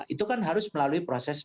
itu kan harus melalui proses